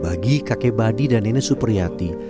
bagi kakek badi dan nenek supriyati